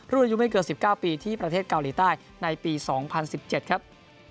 อายุไม่เกิน๑๙ปีที่ประเทศเกาหลีใต้ในปี๒๐๑๗ครับ